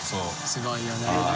すごいよね。